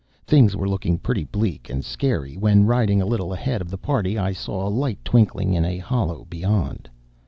Things were looking bleak and scary when, riding a little ahead of the party, I saw a light twinkling in a hollow beyond.